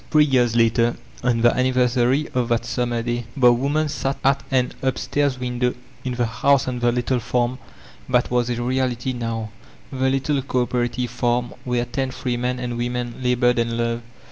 m m Three years later on the anniversary of that sum m er day the woman sat at an upstairs window in the house on die fittle farm that was a reality now, the little co operative farm where ten free men and women labored and loved.